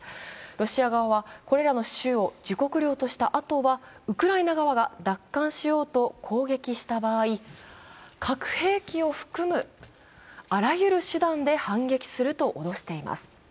ロシア側は、これらの州を自国領としたあとは、ウクライナ側が奪還しようと攻撃した場合核兵器を含むあらゆる手段で反撃すると脅しています。